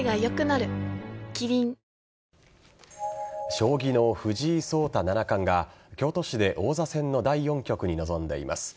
将棋の藤井聡太七冠が京都市で王座戦の第４局に臨んでいます。